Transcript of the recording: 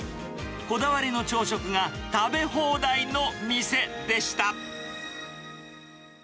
こだわりの朝食が食べ放題の店でした。